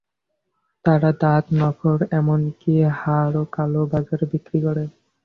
তারা দাঁত, নখর, এমনকি হাড়ও কালো বাজারে বিক্রি করে।